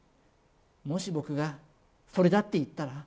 もし僕がそれだって言ったら？